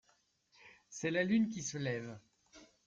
C’est la lune qui se lève.